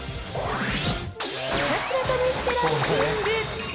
ひたすら試してランキング。